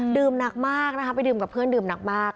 หนักมากนะคะไปดื่มกับเพื่อนดื่มหนักมาก